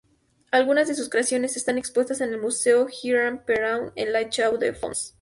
Algunas de sus creaciones están expuestas en el Museo Girard-Perregaux en La Chaux-de-Fonds.